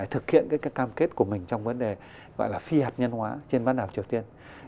thực hiện cái cam kết của mình trong vấn đề gọi là phi hạt nhân hóa trên văn hạp triều tiên